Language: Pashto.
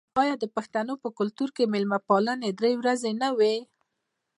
آیا د پښتنو په کلتور کې د میلمه پالنه درې ورځې نه وي؟